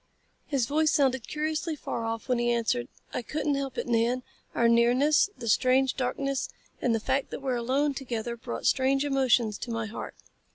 His voice sounded curiously far off when he answered. "I couldn't help it, Nan. Our nearness, the strange darkness, and the fact that we are alone together brought strange emotions to my heart.